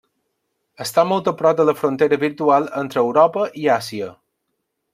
Està molt a prop de la frontera virtual entre Europa i Àsia.